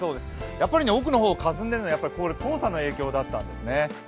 やっぱり奥の方、かすんでいるのは黄砂の影響だったんですね。